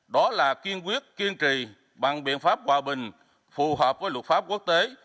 đó là kiên quyết kiên trì bằng biện pháp hòa bình phù hợp với luật pháp quốc tế